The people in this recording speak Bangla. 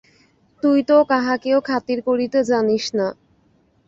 তুই তো কাহাকেও খাতির করিতে জানিস না।